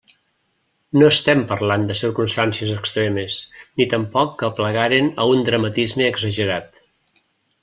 No estem parlant de circumstàncies extremes, ni tampoc que aplegaren a un dramatisme exagerat.